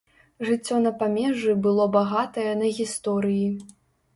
Жыццё на памежжы было багатае на гісторыі.